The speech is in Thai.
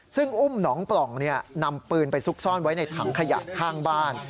ซึ่งอุ้มหนองปล่องนำปืนไปซุกซ่อนไว้ในถังขยะข้างบ้าน